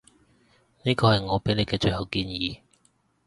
呢個係我畀你嘅最後建議